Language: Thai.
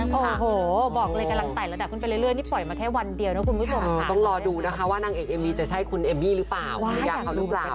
เอาเป็นว่านะคะรอรุ้นรอเชียวค่ะแต่งานนี้แจ๊กแฟนสันนอนที่ต่อไปเลยจ้ะ